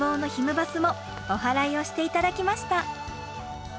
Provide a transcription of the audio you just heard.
バスもおはらいをして頂きました。